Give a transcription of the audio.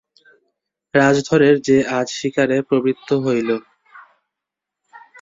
রাজধরের যে আজ শিকারে প্রবৃত্তি হইল?